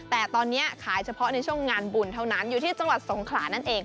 แต่ตอนนี้ขายเฉพาะในช่วงงานบุญเท่านั้นอยู่ที่จังหวัดสงขลานั่นเอง